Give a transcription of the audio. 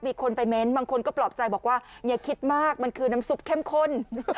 บางคนก็ปลอบใจบอกว่าคิดมากมันคือน้ำสุปเข้มข้น